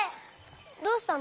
どうしたの？